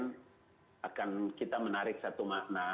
dan akan kita menarik satu makna